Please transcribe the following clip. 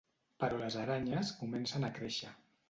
Però les aranyes comencen a créixer.